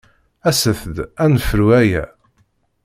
Aset-d ad nefru aya!